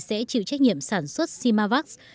sẽ chịu trách nhiệm sản xuất simavax